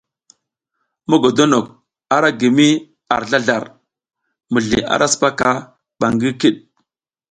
Mogodonok a ra gi mi ar zlazlar, mizli ara sipaka ba ngi kiɗ.